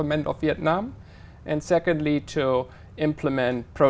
chúng ta có cho sự lãnh đạo